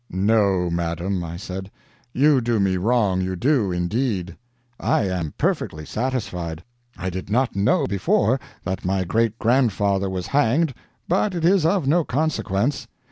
"No, madam," I said, "you do me wrong, you do, indeed. I am perfectly satisfied. I did not know before that my great grandfather was hanged, but it is of no consequence.